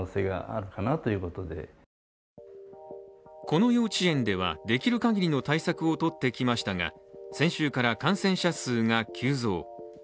この幼稚園では、できるかぎりの対策をとってきましたが、先週から感染者数が急増。